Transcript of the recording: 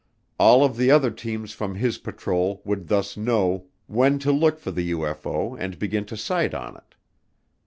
All of the other teams from his patrol would thus know when to look for the UFO and begin to sight on it.